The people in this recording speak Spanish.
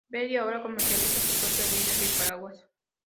Bentley ahora comercializa su propia línea de paraguas.